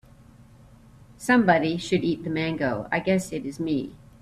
Somebody should eat the mango, I guess it is me.